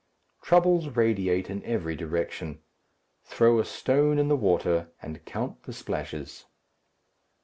Troubles radiate in every direction. Throw a stone in the water, and count the splashes.